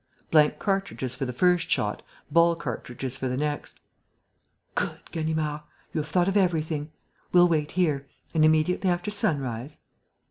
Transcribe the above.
Blank cartridges for the first shot, ball cartridges for the next." "Good, Ganimard! You have thought of everything. We'll wait here; and, immediately after sunrise...."